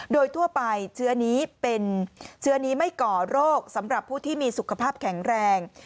โดยทั่วไปเชื้อนี้ไม่ก่อโรคสำหรับผู้ที่มีสุขภาพแข็งแรง